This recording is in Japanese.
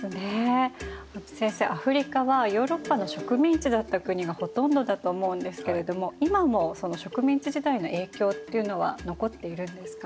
先生アフリカはヨーロッパの植民地だった国がほとんどだと思うんですけれども今もその植民地時代の影響っていうのは残っているんですか？